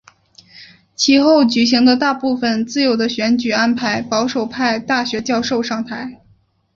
其后举行的大部分自由的选举安排保守派大学教授上台。